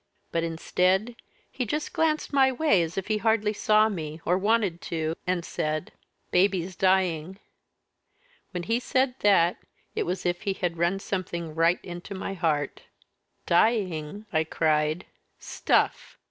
But, instead, he just glanced my way as if he hardly saw me, or wanted to, and said, 'Baby's dying.' When he said that, it was as if he had run something right into my heart. 'Dying,' I cried, 'stuff!'